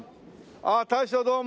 ああ大将どうも。